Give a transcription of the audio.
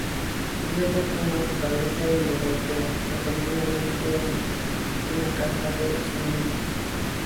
Luego toma su cabeza y la golpea repetidamente una caja de suministro.